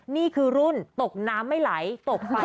นี่คือรุ่นตกน้ำไม่ไหลตกไฟ